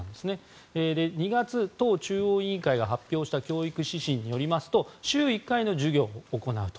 ２月、党中央委員会が発表した教育指針によりますと週１回の授業を行うと。